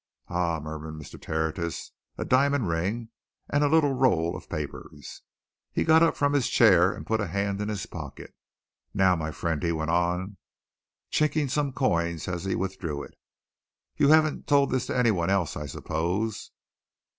"Ah!" murmured Mr. Tertius. "A diamond ring and a little roll of papers." He got up from his chair and put a hand in his pocket. "Now, my friend," he went on, chinking some coins as he withdrew it, "you haven't told this to any one else, I suppose?"